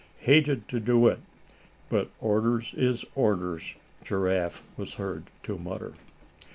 "Hated to do it, but orders is orders," Giraffe was heard to mutter.